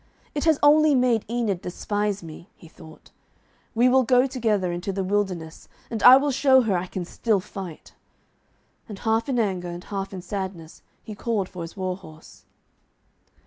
'It has only made Enid despise me,' he thought. 'We will go together into the wilderness, and I will show her I can still fight.' And half in anger and half in sadness he called for his war horse.